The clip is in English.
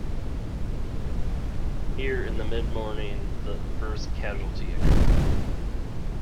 Here, in the midmorning, the first casualty occurred.